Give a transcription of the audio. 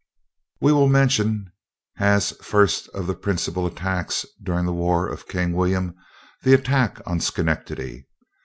We will mention, as first of the principal attacks during the war of King William, the attack on Schenectady.